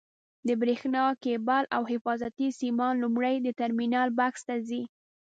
د برېښنا کېبل او حفاظتي سیمان لومړی د ټرمینل بکس ته ځي.